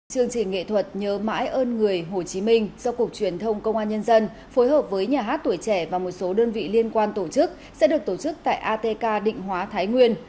chương trình nghệ thuật nhớ mãi ơn người hồ chí minh do cục truyền thông công an nhân dân phối hợp với nhà hát tuổi trẻ và một số đơn vị liên quan tổ chức sẽ được tổ chức tại atk định hóa thái nguyên